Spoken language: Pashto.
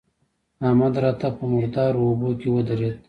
احمد راته په مردارو اوبو کې ودرېد.